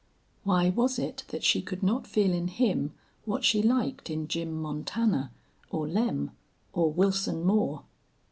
Why was it that she could not feel in him what she liked in Jim Montana or Lem or Wilson Moore?